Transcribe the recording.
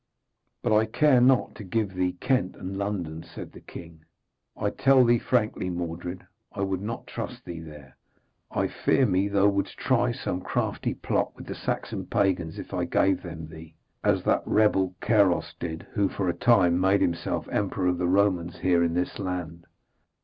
'But I care not to give to thee Kent and London,' said the king. 'I tell thee frankly, Mordred, I would not trust thee there. I fear me thou wouldst try some crafty plot with the Saxon pagans if I gave them thee, as that rebel Caros did, who for a time made himself emperor of the Romans here in this land.'